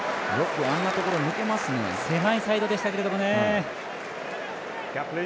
狭いサイドでしたけどもね。